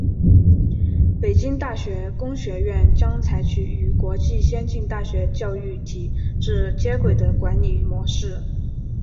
北京大学工学院将采取与国际先进大学教育体制接轨的管理模式。